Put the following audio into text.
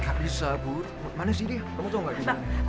nggak bisa bu mana sih dia kamu tau nggak gimana